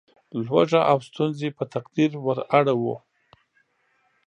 لوږه او ستونزې په تقدیر وراړوو.